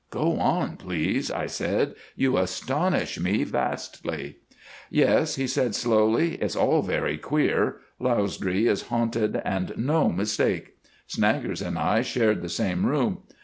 "Go on, please," I said, "you astonish me vastly." "Yes," he said slowly, "it's all very queer. Lausdree is haunted and no mistake. Snaggers and I shared the same room.